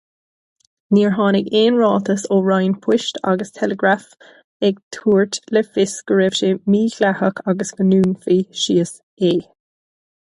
Níor tháinig aon ráiteas ón Roinn Poist agus Teileagraif ag tabhairt le fios go raibh sé mídhleathach agus go ndúnfaí síos é.